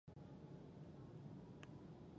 د فصل د ودې لپاره باید مناسب رطوبت برابر وي.